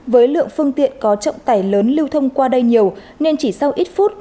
với lượng phương tiện có trọng tải lớn lưu thông qua đây nhiều nên chỉ sau ít phút